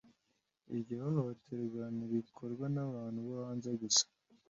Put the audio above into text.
iryo hohoterwa ntirikorwa nabantu bo hanze gusa,